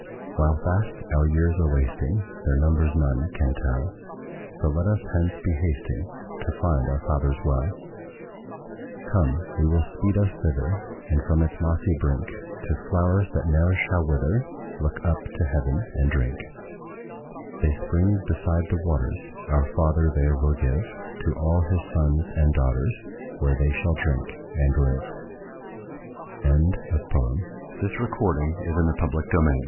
While fast our years are wasting, Their numbers none can tell; So let us hence be hasting To find our Father's well. Come, we will speed us thither, And from its mossy brink, To flowers that ne'er shall wither Look up to heaven and drink. They spring beside the waters, Our Father there will give To all his sons and daughters, Where they shall drink and live. THE MOTHER'S DREAM. "And I will give him the morning star." REV. ii.